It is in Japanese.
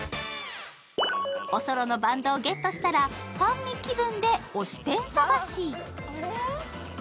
おそろのバンドをゲットしたら、ファンミ気分で推しペン探し。